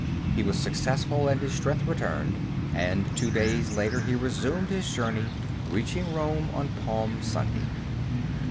He was successful and his strength returned, and two days later he resumed his journey, reaching Rome on Palm Sunday.